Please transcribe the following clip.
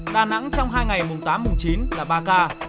đà nẵng trong hai ngày mùng tám mùng chín là ba ca